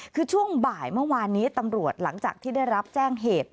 คือช่วงบ่ายเมื่อวานนี้ตำรวจหลังจากที่ได้รับแจ้งเหตุ